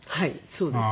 そうです。